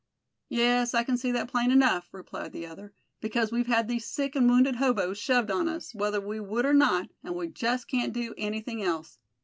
"Yes, I can see that plain enough," replied the other; "because we've had these sick and wounded hoboes shoved on us, whether we would or not, and we just can't do anything else.